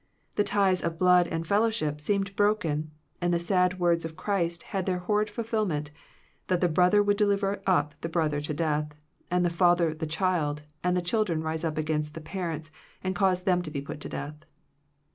The ties of blood and fellowship seemed bro ken, and the sad words of Christ had their horrid fulfillment, that the brother would deliver up the brother to death, and the father the child, and the children rise up against the parents and cause them to be put to death.